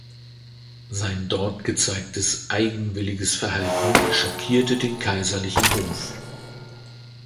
Sein dort gezeigtes eigenwilliges Verhalten schockierte den kaiserlichen Hof.